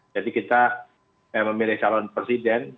jadi kita memilih calon presiden